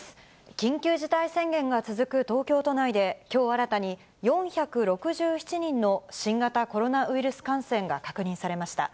緊急事態宣言が続く東京都内で、きょう新たに４６７人の新型コロナウイルス感染が確認されました。